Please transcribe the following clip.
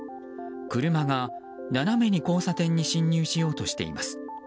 車が斜めに交差点に進入しようとしています。